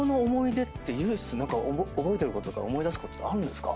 唯一何か覚えてることとか思い出すことってあるんですか？